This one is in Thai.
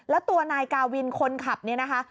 แล้วตัวนายกาวินคนขับเนี่ยนะคะ